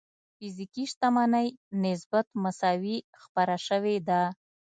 فزيکي شتمنۍ نسبت مساوي خپره شوې ده.